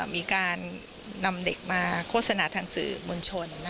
มีการนำเด็กมาโฆษณาทางสื่อมวลชน